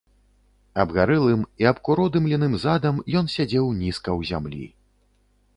Абгарэлым і абкуродымленым задам ён сядзеў нізка ў зямлі.